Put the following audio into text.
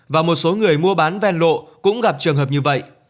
và một số người mua bán ven lộ cũng gặp trường hợp như vậy